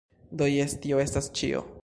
Do, jes tio estas ĉio